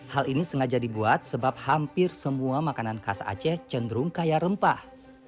hal ini sengaja dibuat sebab hampir semua makanan khas aceh cenderung kaya rempah